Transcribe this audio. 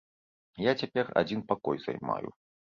Я цяпер адзін пакой займаю.